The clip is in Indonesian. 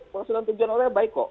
maksud dan tujuan utama baik kok